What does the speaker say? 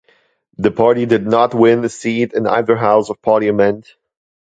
The party did not win a seat in either house of Parliament.